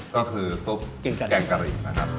ก็คือซุปแกงกะหรี่